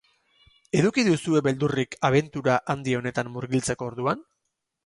Eduki duzue beldurrik abentura handi honetan murgiltzeko orduan?